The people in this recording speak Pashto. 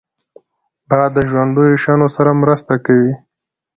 باد د ژوندیو شیانو سره مرسته کوي